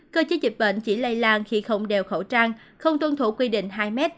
cơ chế dịch bệnh chỉ lây lan khi không đeo khẩu trang không tuân thủ quy định hai m